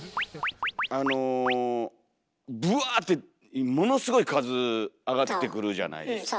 あのブワーッてものすごい数上がってくるじゃないですか。